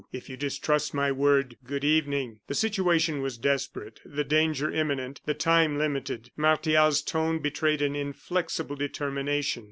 If you distrust my word, good evening." The situation was desperate, the danger imminent, the time limited; Martial's tone betrayed an inflexible determination.